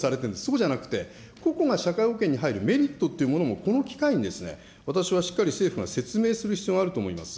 そうじゃなくて、個々が社会保険に入るメリットっていうものもこの機会に私はしっかり政府が説明する必要があると思います。